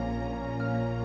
aku tak tahu kenapa